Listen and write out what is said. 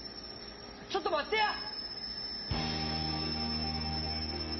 ちょっと待ってや！